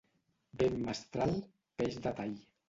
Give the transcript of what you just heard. Vent mestral, peix de tall.